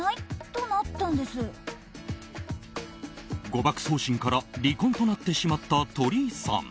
誤爆送信から離婚となってしまった鳥居さん。